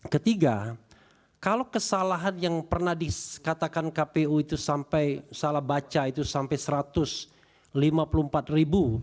ketiga kalau kesalahan yang pernah dikatakan kpu itu sampai salah baca itu sampai satu ratus lima puluh empat ribu